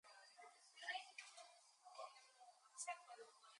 It caused the locomotives to be nicknamed "Christmas Trees".